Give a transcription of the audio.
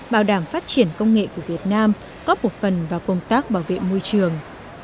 bảo đảm phát triển công nghệ của việt nam cóp một phần vào công tác bảo vệ môi trường